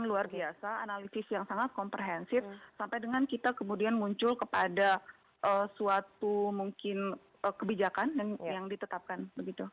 luar biasa analisis yang sangat komprehensif sampai dengan kita kemudian muncul kepada suatu mungkin kebijakan yang ditetapkan begitu